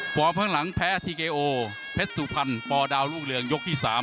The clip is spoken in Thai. ฟอร์ฟข้างหลังแพ้ทีเกโอพรสุพันธ์ปอดาวลูกเรืองยกที่สาม